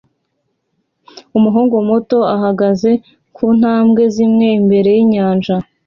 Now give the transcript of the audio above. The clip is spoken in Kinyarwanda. Umuhungu muto ahagaze ku ntambwe zimwe imbere yinyanja